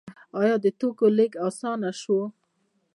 آیا د توکو لیږد اسانه نشو؟